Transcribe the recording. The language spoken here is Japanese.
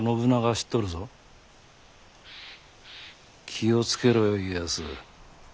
気を付けろよ家康。